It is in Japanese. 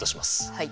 はい。